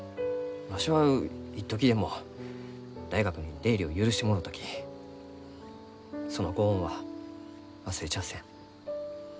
わしは一時でも大学に出入りを許してもろうたきそのご恩は忘れちゃあせん。